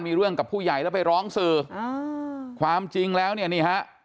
มีเรื่องกับผู้ใหญ่แล้วไปร้องสื่ออ่าความจริงแล้วเนี่ยนี่ฮะ